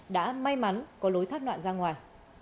đã may mắn có lối thắt nạn ra ngoài